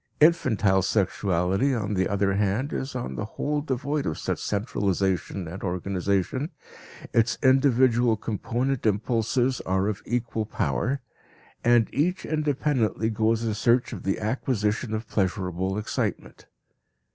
Infantile sexuality, on the other hand, is on the whole devoid of such centralization and organization, its individual component impulses are of equal power, and each independently goes in search of the acquisition of pleasurable excitement.